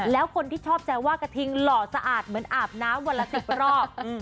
แล้วคนที่ชอบแซวว่ากระทิงหล่อสะอาดเหมือนอาบน้ำวันละ๑๐รอบ